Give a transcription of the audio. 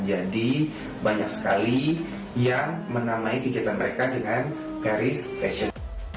jadi banyak sekali yang menamai kegiatan mereka dengan paris fashion